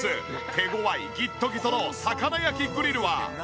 手ごわいギットギトの魚焼きグリルは！？